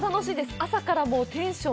朝からもうテンション